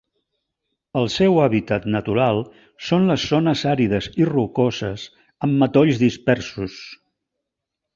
El seu hàbitat natural són les zones àrides i rocoses amb matolls dispersos.